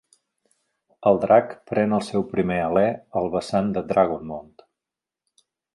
El Drac pren el seu primer alè al vessant de Dragonmount!